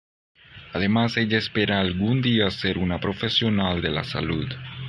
Además, ella espera algún día ser una profesional de la salud.